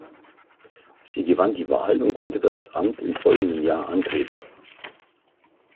Sie gewann die Wahl und konnte das Amt im folgenden Jahr antreten.